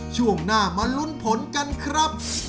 ช่วงหน้ามาลุ้นผลกันครับ